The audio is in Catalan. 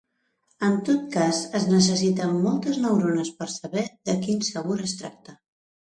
En tot cas, es necessiten moltes neurones per saber de quin sabor es tracta.